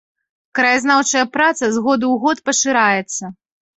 Краязнаўчая праца з году ў год пашыраецца.